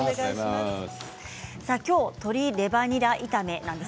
きょうは鶏レバニラ炒めです。